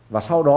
và sau đó